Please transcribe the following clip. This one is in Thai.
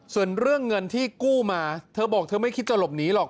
ส่วนเรื่องเงินที่กู้มาเธอบอกเธอไม่คิดจะหลบหนีหรอก